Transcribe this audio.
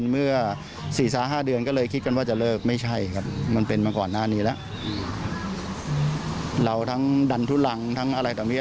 น้าสวัสดีครับลุงสวัสดีครับจนมีลูกที่ติดอะไรอย่างเงี้ย